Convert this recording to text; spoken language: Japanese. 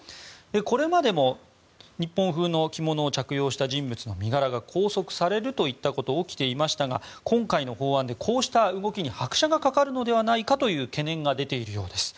これまでも日本風の着物を着用した人物の身柄が拘束されるといったことが起きていましたが、今回の法案でこうした動きに拍車がかかるのではないかという懸念が出ているようです。